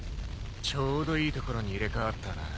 ちょうどいいところに入れ替わったな。